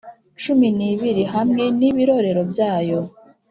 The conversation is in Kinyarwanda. Cumi n ibiri hamwe n ibirorero byayo